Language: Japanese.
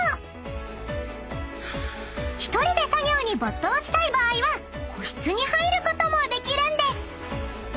［１人で作業に没頭したい場合は個室に入ることもできるんです］